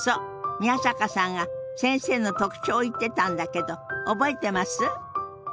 宮坂さんが先生の特徴を言ってたんだけど覚えてます？